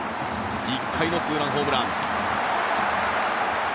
１回のツーランホームラン。